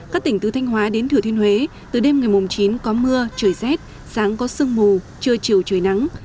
các tỉnh từ thanh hóa đến thừa thiên huế từ đêm ngày chín có mưa trời rét sáng có sương mù trưa chiều trời nắng